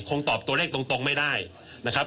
ตอบตัวเลขตรงไม่ได้นะครับ